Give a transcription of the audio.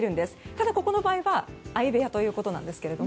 ただ、ここの場合は相部屋ということなんですけど。